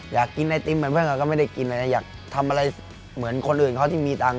อยากกินไอติมเหมือนเพื่อนเราก็ไม่ได้กินอะไรอยากทำอะไรเหมือนคนอื่นเขาที่มีตังค์